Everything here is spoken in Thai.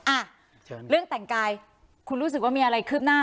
อ่ะเชิญเรื่องแต่งกายคุณรู้สึกว่ามีอะไรคืบหน้า